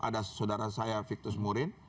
ada saudara saya victus murin